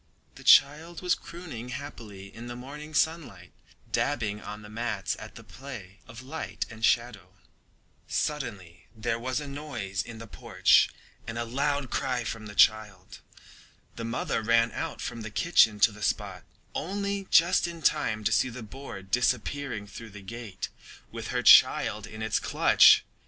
The child was crooning happily in the morning sunlight, dabbing on the mats at the play of light and shadow. Suddenly there was a noise in the porch and a loud cry from the child. The mother ran out from the kitchen to the spot, only just in time to see the boar disappearing through the gate with her child in its clutch.